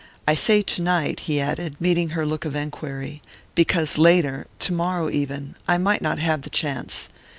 I say tonight," he added, meeting her look of enquiry, "because later tomorrow even I might not have the chance.